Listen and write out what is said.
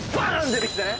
出てきたね。